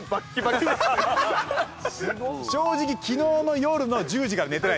正直昨日の夜の１０時から寝てない。